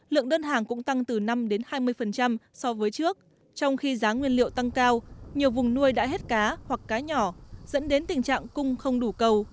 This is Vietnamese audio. lượng đơn hàng cũng tăng từ năm hai mươi so với trước trong khi giá nguyên liệu tăng cao nhiều vùng nuôi đã hết cá hoặc cá nhỏ dẫn đến tình trạng cung không đủ cầu